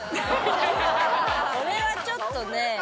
これはちょっとねえ。